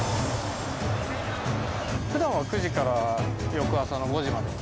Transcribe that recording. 普段は９時から翌朝の５時まで。